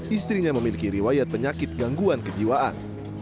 istrinya memiliki riwayat penyakit gangguan kejiwaan